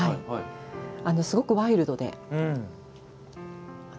すごくワイルドで。